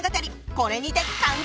これにて完結！